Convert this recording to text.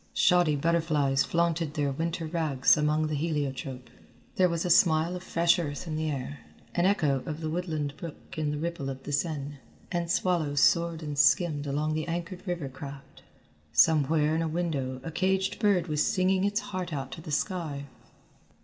Shoddy butterflies flaunted their winter rags among the heliotrope. There was a smell of fresh earth in the air, an echo of the woodland brook in the ripple of the Seine, and swallows soared and skimmed among the anchored river craft. Somewhere in a window a caged bird was singing its heart out to the sky.